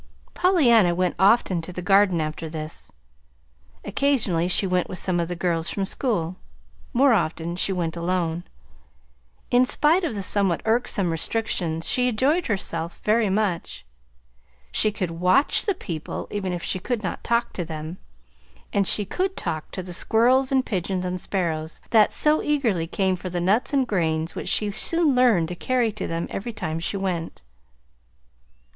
Pollyanna went often to the Garden after this. Occasionally she went with some of the girls from school. More often she went alone. In spite of the somewhat irksome restrictions she enjoyed herself very much. She could WATCH the people even if she could not talk to them; and she could talk to the squirrels and pigeons and sparrows that so eagerly came for the nuts and grain which she soon learned to carry to them every time she went.